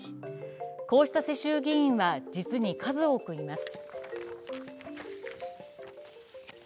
こうした世襲議員は実に数多くいます。